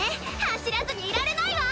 走らずにいられないわ！